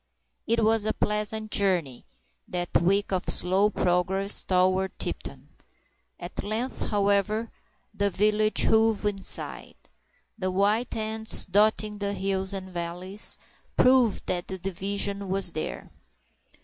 It was a pleasant journey—that week of slow progress toward Tipton. At length, however, the village hove in sight. The white tents dotting the hills and valleys proved that the division was there.